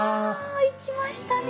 いきましたね。